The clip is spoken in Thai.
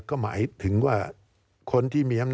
การเลือกตั้งครั้งนี้แน่